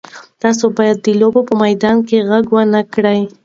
تاسي باید د لوبې په میدان کې غږ ونه کړئ.